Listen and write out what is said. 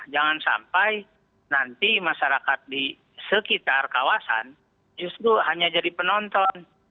jangan sampai nanti masyarakat di sekitar kawasan justru hanya jadi penonton